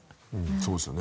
そうですよね。